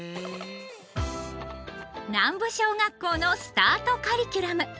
南部小学校のスタートカリキュラム。